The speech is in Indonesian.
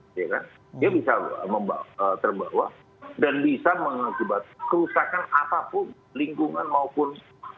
dia bisa terbawa dan bisa menyebabkan kerusakan apapun lingkungan maupun